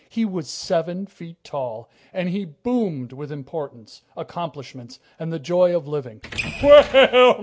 He was seven feet tall, and he boomed with importance, accomplishments, and the joy of living.